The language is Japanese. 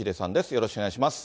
よろしくお願いします。